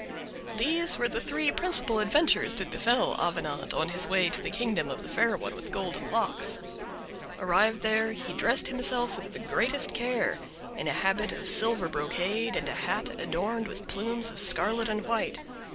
These were the three principal adventures that befell Avenant on his way to the kingdom of the Fair One with Golden Locks. Arrived there, he dressed himself with the greatest care, in a habit of silver brocade, and a hat adorned with plumes of scarlet and white.